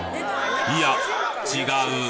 いや違う！